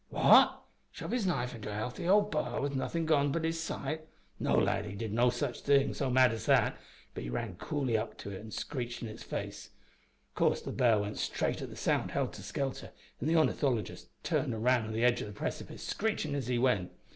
"What! shove his knife into a healthy old b'ar with nothin' gone but his sight? No, lad, he did do nothing so mad as that, but he ran coolly up to it an' screeched in its face. Of course the b'ar went straight at the sound, helter skelter, and the ornithologist turned an' ran to the edge o' the precipice, screechin' as he went.